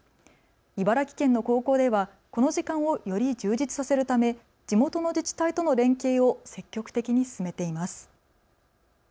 茨城県の高校ではこの時間をより充実させるため地元の自治体との連携を積極的に進めています。